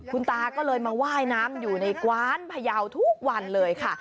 คุณตาก็เลยมาว่ายน้ำอยู่ในกว้านพยาวทุกวันเลยค่ะ